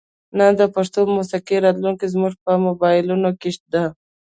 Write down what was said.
نن د پښتو موسیقۍ راتلونکې زموږ په موبایلونو کې ده.